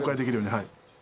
はい。